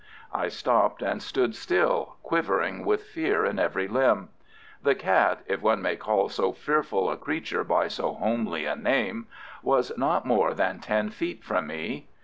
I stopped and stood still, quivering with fear in every limb. The cat (if one may call so fearful a creature by so homely a name) was not more than ten feet from me.